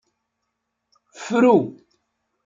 Fru.